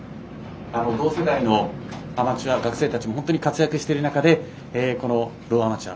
同世代のアマチュア学生たちも活躍している中でこのローアマチュア。